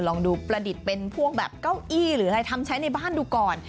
ลองดูประดิษฐ์เป็นพวกแบบเก้าอี้หรืออะไรทำใช้ในบ้านดูก่อน